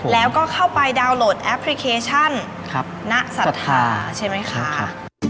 แล้วก็เข้าไปดาวน์โหลดแอปพลิเคชันณศรัทธาใช่ไหมคะ